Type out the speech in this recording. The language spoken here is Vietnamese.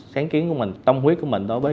sáng kiến của mình tâm huyết của mình đối với